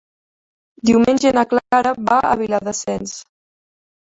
Diumenge na Clara va a Viladasens.